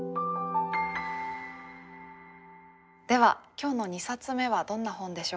では今日の２冊目はどんな本でしょうか？